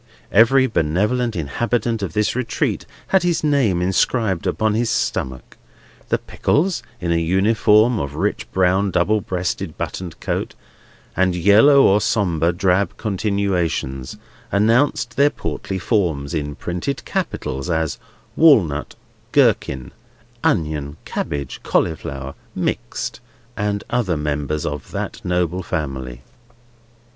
Every benevolent inhabitant of this retreat had his name inscribed upon his stomach. The pickles, in a uniform of rich brown double breasted buttoned coat, and yellow or sombre drab continuations, announced their portly forms, in printed capitals, as Walnut, Gherkin, Onion, Cabbage, Cauliflower, Mixed, and other members of that noble family.